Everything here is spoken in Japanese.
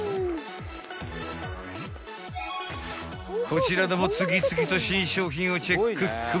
［こちらでも次々と新商品をチェックック］